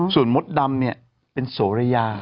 ส่วนมดดำเนี่ยเป็นโสระยา